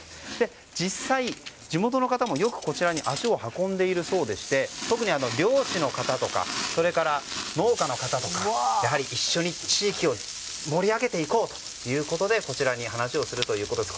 実際、地元の方もよくこちらに足を運んでいるそうでして特に漁師の方とか、農家の方とかやはり一緒に地域を盛り上げていこうということでこちらに話をするということです。